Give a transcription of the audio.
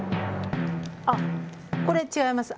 あこれ違います。